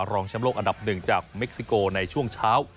รองแชมป์โลกอันดับหนึ่งจากเม็กซิโกในช่วงเช้า